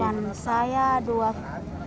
harapan saya doakan